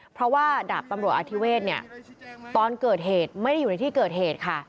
เพราะว่าดาบตำรวจอธิเวศเนี่ยตอนเกิดเหตุไม่ได้อยู่ในที่เกิดเหตุค่ะ